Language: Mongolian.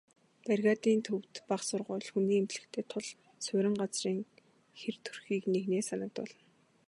Бригадын төвд бага сургууль, хүний эмнэлэгтэй тул суурин газрын хэр төрхийг нэгнээ санагдуулна.